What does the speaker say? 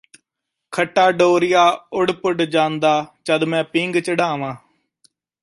ਖੱਟਾ ਡੋਰੀਆ ਉੱੜ ਪੁੱਡ ਜਾਂਦਾ ਜਦ ਮੈਂ ਪੀਂਘ ਚੜ੍ਹਾਵਾਂ